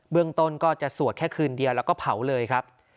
ต้นก็จะสวดแค่คืนเดียวแล้วก็เผาเลยครับ